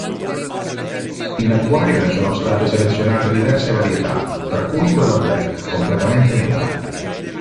In acquario ne sono state selezionate diverse varietà, tra cui quella "black", completamente nera.